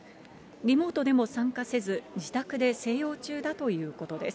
リモートでも参加せず、自宅で静養中だということです。